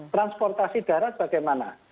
transportasi darat bagaimana